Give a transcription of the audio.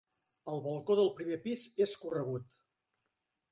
El balcó del primer pis és corregut.